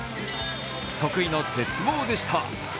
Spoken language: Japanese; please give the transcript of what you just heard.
得意の鉄棒でした。